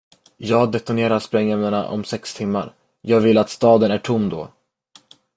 Jag detonerar sprängämnena om sex timmar, jag vill att staden är tom då.